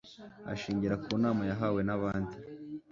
ashingira kunama yahawe nabandi